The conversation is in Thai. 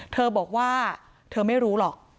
เธอบอกว่าเธอไม่รู้หรอก